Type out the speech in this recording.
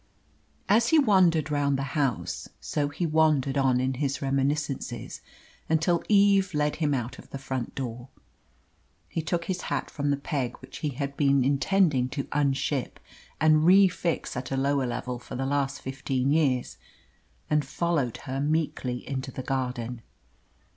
As he wandered round the house, so he wandered on in his reminiscences, until Eve led him out of the front door. He took his hat from the peg which he had been intending to unship and refix at a lower level for the last fifteen years, and followed her meekly into the garden.